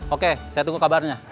oke saya tunggu kabarnya